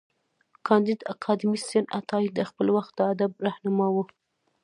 کانديد اکاډميسن عطايي د خپل وخت د ادب رهنما و.